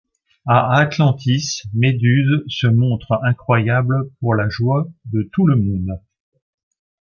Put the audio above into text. A Atlantis, Méduse se montre incroyable pour la joie de tout le monde.